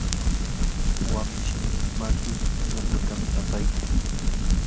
wanshi mayu yakutam upyaykan.